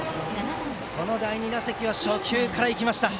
この第２打席は初球から行きました。